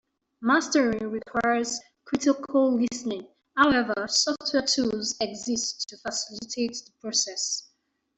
Mastering requires critical listening; however, software tools exist to facilitate the process.